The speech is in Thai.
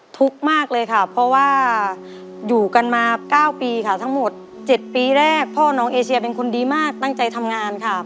ทุกข์มากเลยค่ะเพราะว่าอยู่กันมา๙ปีค่ะทั้งหมด๗ปีแรกพ่อน้องเอเชียเป็นคนดีมากตั้งใจทำงานค่ะ